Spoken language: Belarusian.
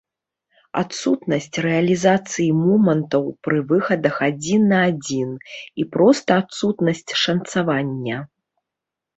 Адсутнасць рэалізацыі момантаў пры выхадах адзін на адзін і проста адсутнасць шанцавання.